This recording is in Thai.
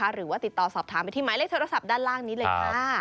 หรือว่าติดต่อสอบถามไปที่หมายเลขโทรศัพท์ด้านล่างนี้เลยค่ะ